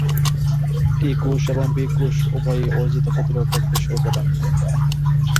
টি কোষ এবং বি কোষ উভয়ই অর্জিত প্রতিরক্ষার কোষীয় উপাদান।